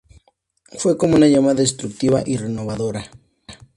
Fue como una llama destructiva y renovadora".